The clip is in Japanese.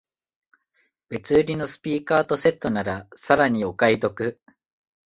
別売りのスピーカーとセットならさらにお買い得